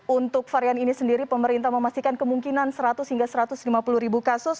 untuk varian ini sendiri pemerintah memastikan kemungkinan seratus hingga satu ratus lima puluh ribu kasus